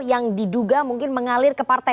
yang diduga mungkin mengalir ke partai